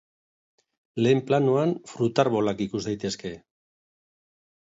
Lehen planoan, fruta-arbolak ikus daitezke.